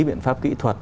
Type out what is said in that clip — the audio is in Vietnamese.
biện pháp kỹ thuật